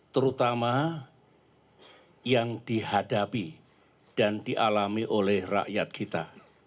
terutama yang dihadapi dan dialami oleh rakyat kita